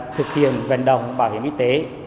thực hiện vận động bảo hiểm y tế